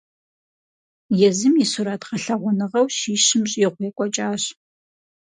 Езым и сурэт гъэлъэгъуэныгъэу щищым щӀигъу екӀуэкӀащ.